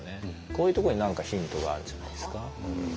こういうところに何かヒントがあるんじゃないですか。